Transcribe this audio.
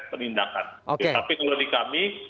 penindakan tapi kalau di kami